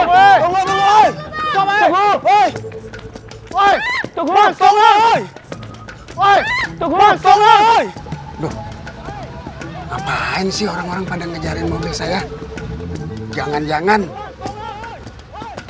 wey tunggu tunggu tunggu tunggu waiting fer ditunggu tunggu ancient